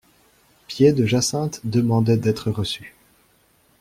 Pied-de-Jacinthe demandait d'être reçu.